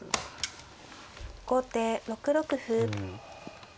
後手６六歩。